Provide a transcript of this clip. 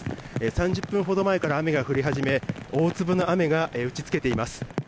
３０分ほど前から雨が降り始め大粒の雨が打ち付けています。